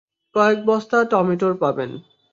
কয়েক বস্তা টমেটোর পাবেন।